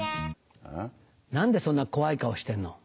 何でそんな怖い顔してんの？